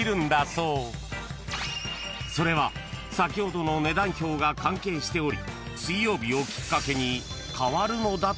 ［それは先ほどの値段表が関係しており］